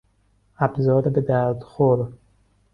ابزار به درد خور